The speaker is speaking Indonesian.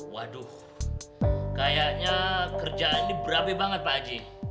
waduh kayaknya kerjaan ini berapi banget pak haji